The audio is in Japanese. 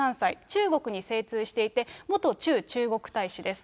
中国に精通していて、元駐中国大使です。